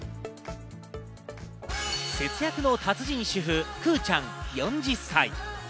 節約の達人主婦・くぅちゃん、４０歳。